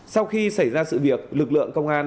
sau khi xảy ra sự việc lực lượng công an